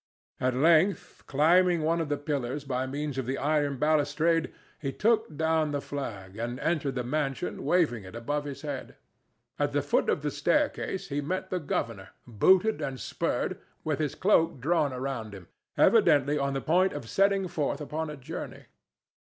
At length, climbing one of the pillars by means of the iron balustrade, he took down the flag, and entered the mansion waving it above his head. At the foot of the staircase he met the governor, booted and spurred, with his cloak drawn around him, evidently on the point of setting forth upon a journey.